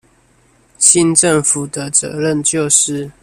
新政府的責任就是